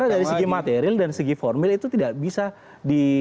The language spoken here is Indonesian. karena dari segi material dan segi formil itu tidak bisa di